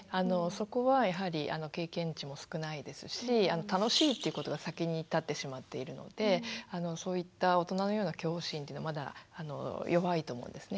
そこはやはり経験値も少ないですし「楽しい」っていうことが先に立ってしまっているのでそういった大人のような恐怖心というのはまだ弱いと思うんですね。